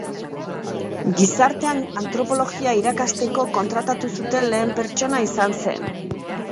Gizarte Antropologia irakasteko kontratatu zuten lehen pertsona izan zen.